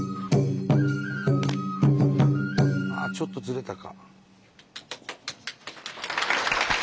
ちょっとずれたか？